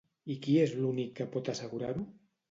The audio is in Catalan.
I qui és l'únic que pot assegurar-ho?